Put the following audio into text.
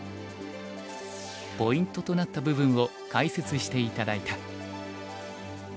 ポイントとなった部分を解説して頂いた。